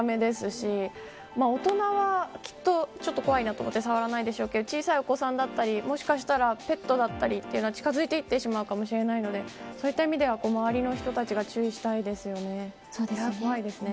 し大人は、ちょっと怖いなと思って触らないでしょうけど小さいお子さんだったりもしかしたらペットだったりというのは近づいていってしまうかもしれないのでそういった意味では周りの人たちが注意したいですよね。